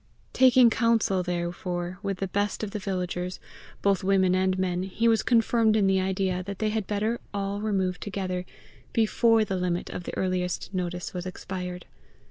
Taking counsel therefore with the best of the villagers, both women and men, he was confirmed in the idea that they had better all remove together, before the limit of the earliest notice was expired.